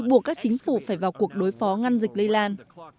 buộc các chính phủ phải vào cuộc đối phó ngăn dịch lây lan